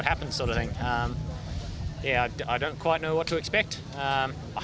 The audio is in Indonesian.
tapi secara keseluruhan itu adalah peningkatan yang sangat keras